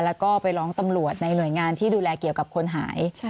แล้วก็ไปร้องตำรวจในหน่วยงานที่ดูแลเกี่ยวกับคนหาย